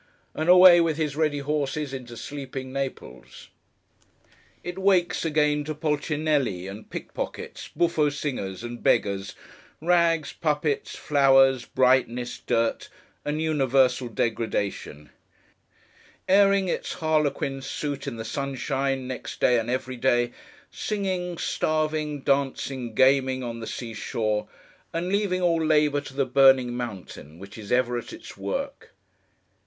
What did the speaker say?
And away with his ready horses, into sleeping Naples! It wakes again to Policinelli and pickpockets, buffo singers and beggars, rags, puppets, flowers, brightness, dirt, and universal degradation; airing its Harlequin suit in the sunshine, next day and every day; singing, starving, dancing, gaming, on the sea shore; and leaving all labour to the burning mountain, which is ever at its work.